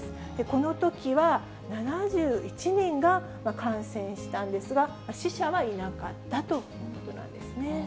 このときは、７１人が感染したんですが、死者はいなかったということなんですね。